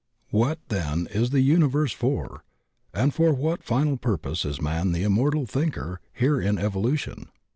What then is the universe for, and for what final purpose is man the immortal thinker here in evolu tion?